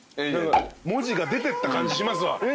文字が出てった感じしますわ。